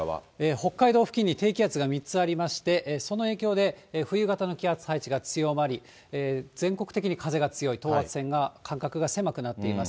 北海道付近に低気圧が３つありまして、その影響で、冬型の気圧配置が強まり、全国的に風が強い、等圧線の間隔が狭くなっています。